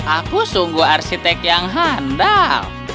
aku sungguh arsitek yang handal